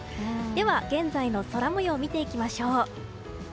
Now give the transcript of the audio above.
では、現在の空模様を見ていきましょう。